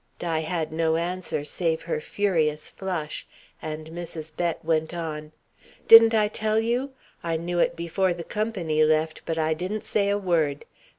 Di had no answer save her furious flush, and Mrs. Bett went on: "Didn't I tell you? I knew it before the company left, but I didn't say a word.